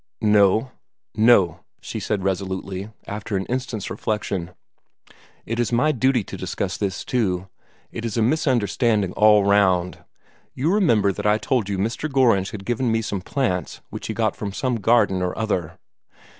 "No," she said resolutely, after an instant's reflection; "it is my duty to discuss this, too. It is a misunderstanding all round. You remember that I told you Mr. Gorringe had given me some plants, which he got from some garden or other?"